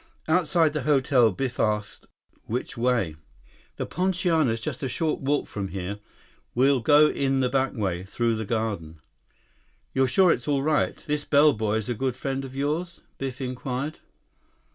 Outside the hotel, Biff asked, "Which way?" "The Poinciana's just a short walk from here. We'll go in the back way—through the garden." "You're sure it's all right? This bellboy is a good friend of yours?" Biff inquired.